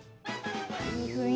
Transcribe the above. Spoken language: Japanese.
いい雰囲気。